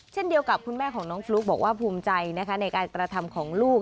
เช่นเดียวกับคุณแม่ของน้องฟลุ๊กบอกว่าภูมิใจนะคะในการกระทำของลูก